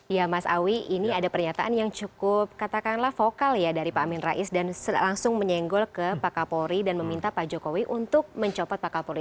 ya mas awi ini ada pernyataan yang cukup katakanlah vokal ya dari pak amin rais dan langsung menyenggol ke pak kapolri dan meminta pak jokowi untuk mencopot pak kapolri